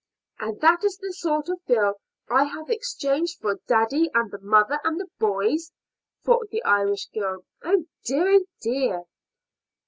"And that is the sort of girl I have exchanged for daddy and the mother and the boys," thought the Irish girl. "Oh, dear! oh, dear!"